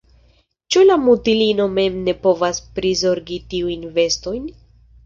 Ĉu la mutulino mem ne povas prizorgi tiujn vestojn?